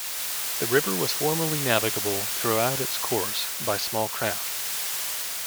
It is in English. The river was formerly navigable throughout its course by small craft.